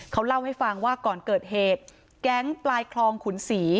เขาเล่าให้ฟังว่าก่อนเกิดเหตุแก๊งปลายคลองขุนศรี